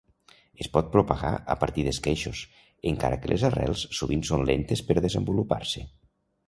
Es pot propagar a partir d'esqueixos, encara que les arrels sovint són lentes per desenvolupar-se.